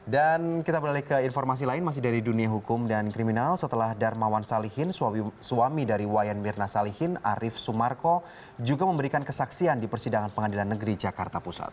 dan kita balik ke informasi lain masih dari dunia hukum dan kriminal setelah darmawan salihin suami dari wayan mirna salihin arief sumarko juga memberikan kesaksian di persidangan pengadilan negeri jakarta pusat